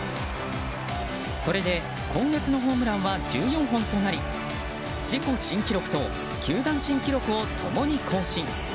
これで今月のホームランは１４本となり自己新記録と球団新記録を共に更新。